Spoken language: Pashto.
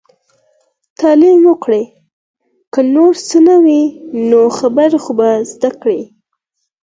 تعليم وکړئ! که نور هيڅ نه وي نو، خبرې خو به زده کړي.